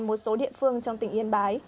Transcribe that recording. một số địa phương trong tỉnh yên bái